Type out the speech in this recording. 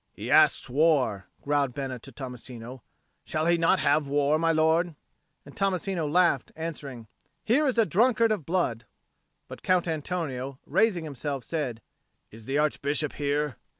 "He asks war!" growled Bena to Tommasino. "Shall he not have war, my lord?" And Tommasino laughed, answering, "Here is a drunkard of blood!" But Count Antonio, raising himself, said, "Is the Archbishop here?"